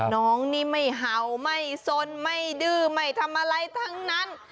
น้องนี่ไม่เห่าไม่สนไม่ดื้อไม่ทำอะไรทั้งนั้น